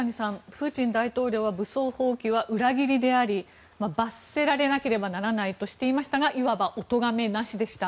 プーチン大統領は武装蜂起は裏切りであり罰せられなければならないとしていましたがいわばおとがめなしでした。